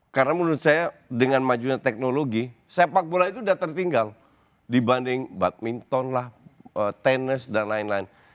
karena menurut saya dengan majunya teknologi sepak bola itu sudah tertinggal dibanding badminton lah tenis dan lain lain